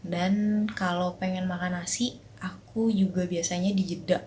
dan kalau pengen makan nasi aku juga biasanya dijeda